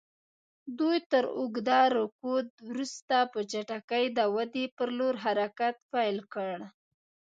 دوی تر اوږده رکود وروسته په چټکۍ د ودې پر لور حرکت پیل کړ.